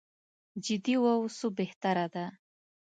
جدي واوسو بهتره ده.